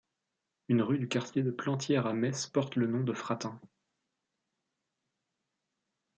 Une rue du quartier de Plantières à Metz porte le nom de Fratin.